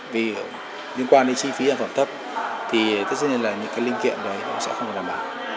vì liên quan đến chi phí sản phẩm tấp thì tất nhiên là những linh kiện đó sẽ không được đảm bảo